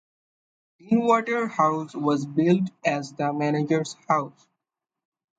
Deanwater House was built as the manager's house.